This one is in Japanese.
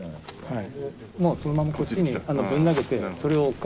はい。